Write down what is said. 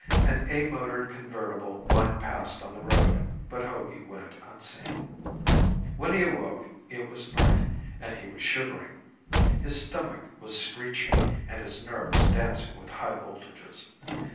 An A motored convertible whined past on the road, but Hogey went unseen. When he awoke, it was night, and he was shivering. His stomach was screeching, and his nerves dancing with high voltages.